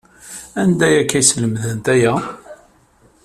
Anda ay ak-slemdent aya?